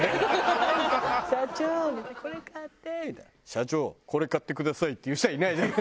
「社長これ買ってください！」って言う人はいないじゃん。